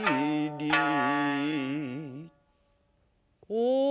お！